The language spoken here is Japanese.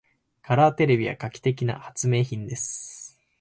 カラーテレビは画期的な発明品です。